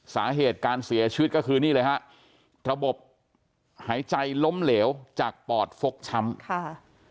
สาเหตุการเสียชีวิตก็คือนี่เลยฮะระบบหายใจล้มเหลวจากปอดฟกช้ำค่ะ